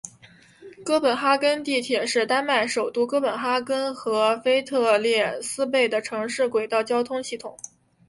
哥本哈根地铁是丹麦首都哥本哈根和腓特烈斯贝的城市轨道交通系统。